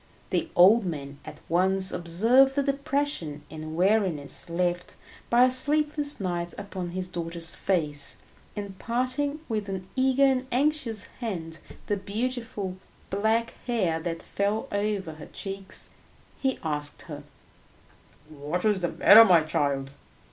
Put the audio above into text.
The old man at once observed the depression and weariness left by a sleepless night upon his daughter's face, and parting with an eager and anxious hand the beautiful black hair that fell over her cheeks, he asked her, "What is the matter, my child?